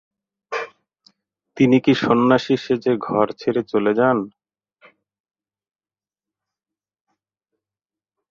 তিনি সন্ন্যাসী সেজে ঘর ছেড়ে চলে যান।